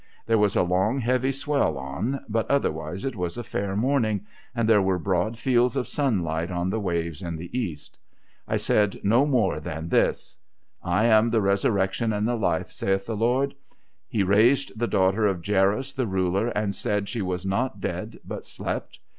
There was a long heavy swell on, but otherwise it was a fair morning, and there were broad fields of sunlight on the waves in the east. I said no more than this :* I am the Resurrection and the Life, saith the Lord. He raised the daughter of Jairus the ruler, and said she was not dead but slept.